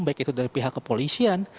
baik itu dari pihak kepolisian